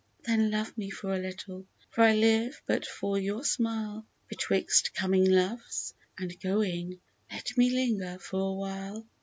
then love me for a little, for I live but for your smile. Betwixt coming loves and going, let me linger for a while